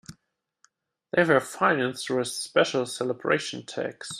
They were financed through a special celebration tax.